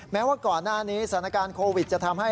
แม้ว่าก่อนหน้านี้สถานการณ์โควิดจะทำให้